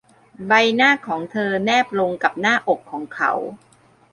ใบหน้าของเธอแนบลงกับหน้าอกของเขา